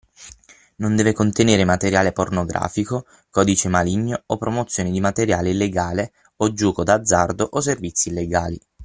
Non deve contenere materiale pornografico, codice maligno o promozione di materiale illegale/gioco d’azzardo/servizi illegali.